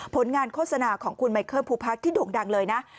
ผลงานโฆษณาของคุณไมเคิลภูพักที่โด่งดังเลยนะ